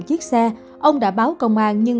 chiếc xe ông đã báo công an nhưng